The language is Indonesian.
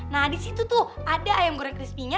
nah di situ tuh ada ayam goreng crispy nya